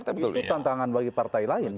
tapi itu tantangan bagi partai lain